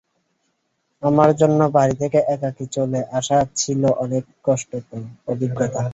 আমার জন্য বাড়ি থেকে একাকী চলে আসা ছিল অনেক কষ্টকর অভিজ্ঞতা।